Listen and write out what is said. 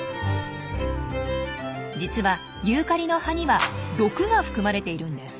実はユーカリの葉には「毒」が含まれているんです。